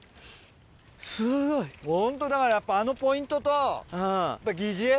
すごい！ホントだからやっぱあのポイントと疑似餌。